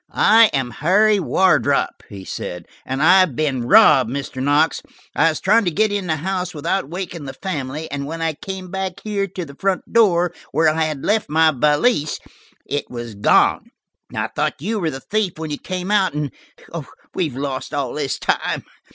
"I am Harry Wardrop," he said, "and I have been robbed, Mr. Knox. I was trying to get in the house without waking the family, and when I came back here to the front door, where I had left my valise, it was gone. I thought you were the thief when you came out, and–we've lost all this time.